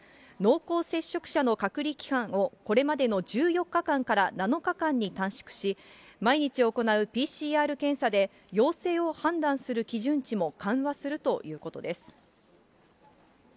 濃厚接触者の隔離期間を、これまでの１４日間から７日間に短縮し、毎日行うＰＣＲ検査で、陽性を判断する基準値も緩和するということです。